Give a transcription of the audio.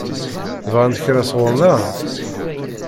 Bɣant kra sɣur-neɣ?